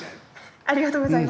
ありがとうございます。